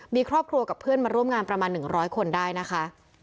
มีครอบครัวกับเพื่อนมาร่วมงานประมาณ๑๐๐คนได้นะคะ